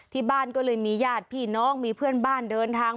ที่บ้านก็เลยมีญาติพี่น้องมีเพื่อนบ้านเดินทาง